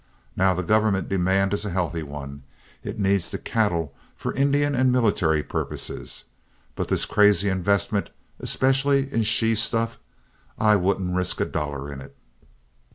Now the government demand is a healthy one: it needs the cattle for Indian and military purposes; but this crazy investment, especially in she stuff, I wouldn't risk a dollar in it."